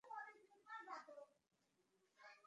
লাগবে না, ভাই।